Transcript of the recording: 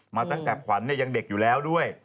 มาตั้งแต่ขวัญยังเด็กอยู่แล้วด้วย